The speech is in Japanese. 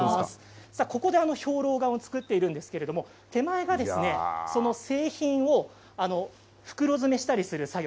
ここで兵糧丸を作っているんですけれども手前がですね、その製品を袋詰めしたりする作業。